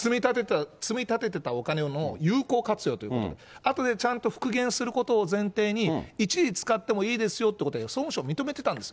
積み立ててたお金の有効活用ということで、あとでちゃんと復元することを前提に、一時使ってもいいですよということで、総務省は認めてたんです。